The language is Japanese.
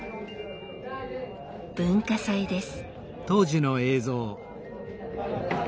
文化祭です。